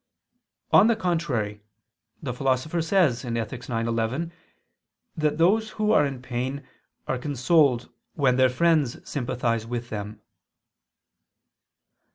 On the contrary, The Philosopher says (Ethic. ix, 11) that those who are in pain are consoled when their friends sympathize with them.